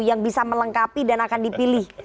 yang bisa melengkapi dan akan dipilih